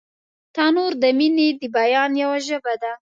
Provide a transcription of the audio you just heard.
تنور د مینې د بیان یوه ژبه ده